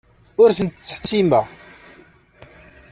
Ur tent-ttḥettimeɣ.